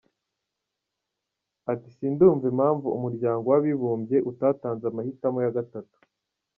Ati “Sindumva impamvu Umuryango w’Abibumbye utatanze amahitamo ya gatatu.